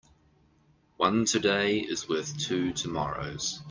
One today is worth two tomorrows.